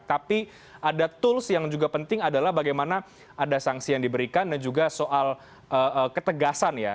tapi ada tools yang juga penting adalah bagaimana ada sanksi yang diberikan dan juga soal ketegasan ya